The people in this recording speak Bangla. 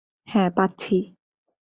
হ্যাঁ, পাচ্ছি।